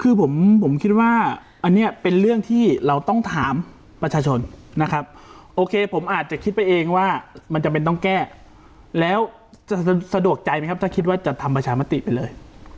คือผมคิดว่าอันนี้เป็นเรื่องที่เราต้องถามประชาชนนะครับโอเคผมอาจจะคิดไปเองว่ามันจำเป็นต้องแก้แล้วจะสะดวกใจไหมครับถ้าคิดว่าจะทำประชามติไปเลย